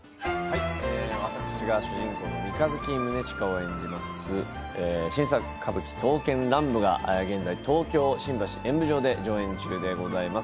私が主人公三日月宗近を演じます新作歌舞伎「刀剣乱舞」が現在、東京新橋演舞場で上演中でございます。